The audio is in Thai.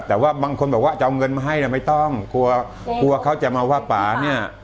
แต่ว่าบางคนบอกว่าจะเอาเงินมาให้นะไม่ต้องกลัวกลัวเขาจะมาว่าป่าเนี่ย